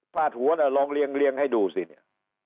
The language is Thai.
ฝาดหัวแสด่ลองเรียงให้ดูนี่